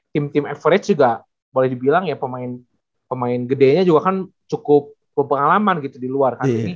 team team average juga boleh dibilang ya pemain pemain gedenya juga kan cukup berpengalaman gitu di luar